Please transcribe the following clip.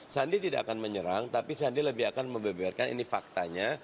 sandi tidak akan menyerang tapi sandi lebih akan membeberkan ini faktanya